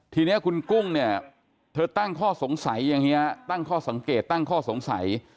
ทีนี้คุณกุ้งเนี่ยเธอตั้งข้อสงสัยอย่างนี้ตั้งข้อสังเกตตั้งข้อสงสัย